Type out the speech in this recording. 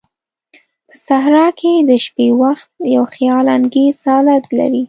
په صحراء کې د شپې وخت یو خیال انگیز حالت لري.